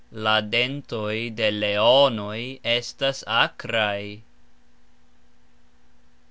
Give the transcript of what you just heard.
La dentoj de leonoj estas akraj.